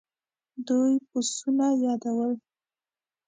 دوی پسونه يادول.